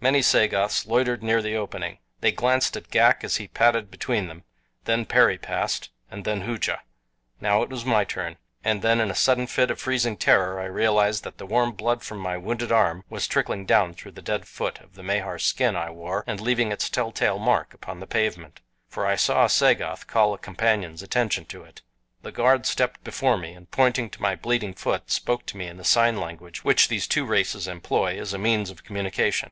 Many Sagoths loitered near the opening. They glanced at Ghak as he padded between them. Then Perry passed, and then Hooja. Now it was my turn, and then in a sudden fit of freezing terror I realized that the warm blood from my wounded arm was trickling down through the dead foot of the Mahar skin I wore and leaving its tell tale mark upon the pavement, for I saw a Sagoth call a companion's attention to it. The guard stepped before me and pointing to my bleeding foot spoke to me in the sign language which these two races employ as a means of communication.